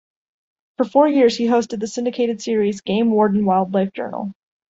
For four years he hosted the syndicated series, "Game Warden Wildlife Journal".